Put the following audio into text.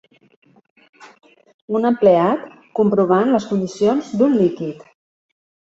Un empleat comprovant les condicions d'un líquid.